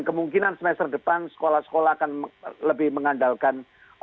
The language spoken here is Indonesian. kemungkinan semester depan sekolah sekolah akan lebih mengandalkan